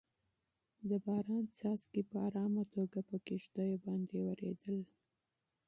د باران څاڅکي په ارامه توګه په کيږديو باندې ورېدل.